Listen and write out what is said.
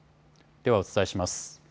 ではお伝えします。